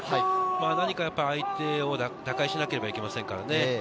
何か相手を打開しなければいけませんからね。